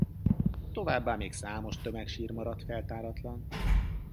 Továbbá még számos tömegsír maradt feltáratlan.